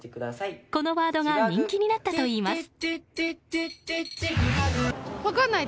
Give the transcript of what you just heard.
このワードが人気になったといいます。